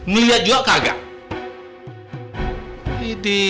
ngelihat juga kagak